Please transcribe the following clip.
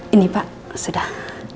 ini pak sudah